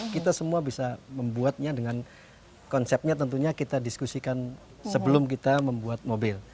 kita semua bisa membuatnya dengan konsepnya tentunya kita diskusikan sebelum kita membuat mobil